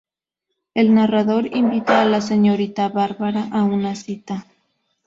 El narrador invita a la señorita Bárbara a una cita.